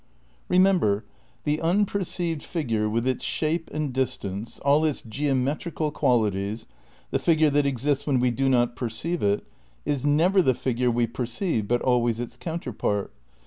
Eemember, the unperceived figure with its shape and distance, all its geometrical qualities, the figure that exists when we do not perceive it, is never the figure we perceive but always its counterpart.